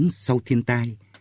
sống sau thiên tai